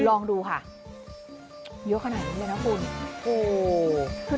ลองดูค่ะเยอะขนาดนี้เลยนะคุณโอ้โห